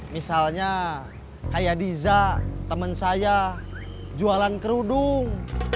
misalnya kayak diza temen saya jualan kerudung